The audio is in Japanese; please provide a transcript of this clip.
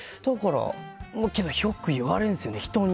けどよく言われるんですよね、人に。